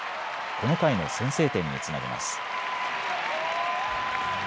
この回の先制点につなげます。